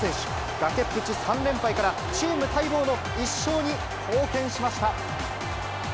崖っぷち３連敗から、チーム待望の１勝に貢献しました。